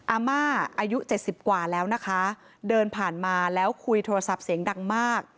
อาม่าอายุ๗๐กว่าแล้วนะคะเดินผ่านมาแล้วคุยโทรศัพท์เสียงดังมาก